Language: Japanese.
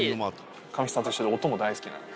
神木さんと一緒で、音も大好きなんです。